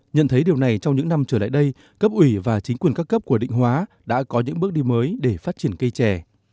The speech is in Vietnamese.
nhận thấy điều này trong những năm trở lại đây cấp ủy và chính quyền các cấp của định hóa đã có những bước đi mới để phát triển cây trẻ